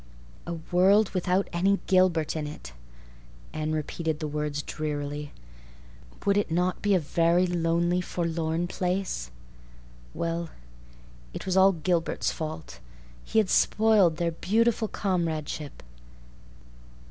A world without any Gilbert in it! Anne repeated the words drearily. Would it not be a very lonely, forlorn place? Well, it was all Gilbert's fault. He had spoiled their beautiful comradeship.